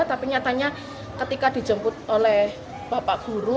tapi nyatanya ketika dijemput oleh bapak guru